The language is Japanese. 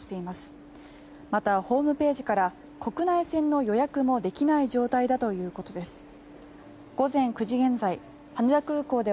また、ホームページから国内線の予約もできない状態だということです。